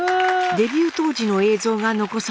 デビュー当時の映像が残されていました。